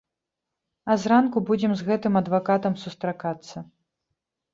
А зранку будзем з гэтым адвакатам сустракацца.